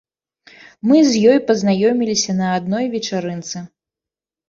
Мы з ёй пазнаёміліся на адной вечарынцы.